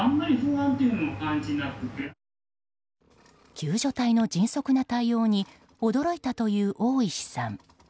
救助隊の迅速な対応に驚いたという大石さん。